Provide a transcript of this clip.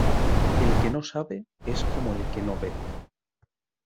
El que no sabe es como el que no ve.